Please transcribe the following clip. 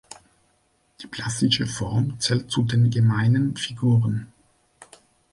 Die plastische Form zählt zu den gemeinen Figuren.